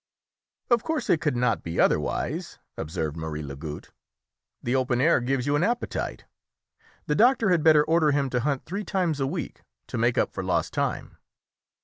"Of course it could not be otherwise," observed Marie Lagoutte. "The open air gives you an appetite. The doctor had better order him to hunt three times a week to make up for lost time."